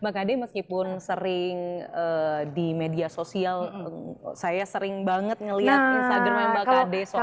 mbak kade meskipun sering di media sosial saya sering banget ngeliat instagramnya mbak kade soalnya